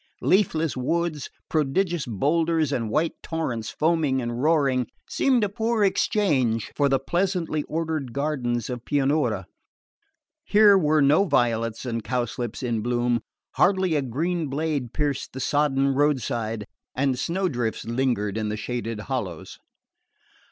Leafless woods, prodigious boulders and white torrents foaming and roaring seemed a poor exchange for the pleasantly ordered gardens of Pianura. Here were no violets and cowslips in bloom; hardly a green blade pierced the sodden roadside, and snowdrifts lingered in the shaded hollows.